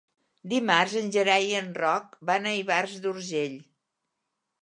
Dimarts en Gerai i en Roc van a Ivars d'Urgell.